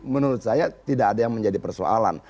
menurut saya tidak ada yang menjadi persoalan